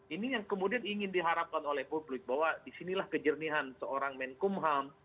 ini yang kemudian ingin diharapkan oleh publik bahwa disinilah kejernihan seorang menkumham